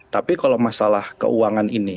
tapi kalau masalah keuangan ini